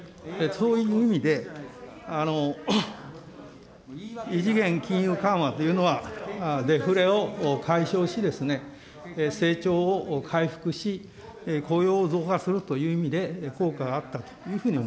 そういう意味で、異次元金融緩和というのはデフレを解消し、成長を回復し、雇用を増加するという意味で、効果があったと。